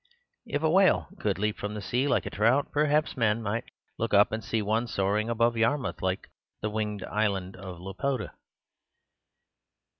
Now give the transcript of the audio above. If a whale could leap from the sea like a trout, perhaps men might look up and see one soaring above Yarmouth like the winged island of Laputa.